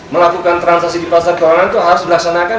melakukan transaksi di pasar keuangan itu harus melaksanakan